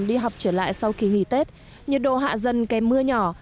đi học trở lại sau kỳ nghỉ tết nhiệt độ hạ dần kèm mưa nhỏ